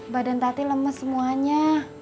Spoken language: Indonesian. badan tati lemes semuanya